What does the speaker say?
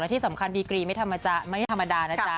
ที่สำคัญดีกรีไม่ธรรมดานะจ๊ะ